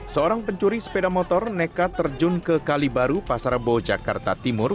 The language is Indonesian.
seorang pencuri sepeda motor nekat terjun ke kalibaru pasar rebo jakarta timur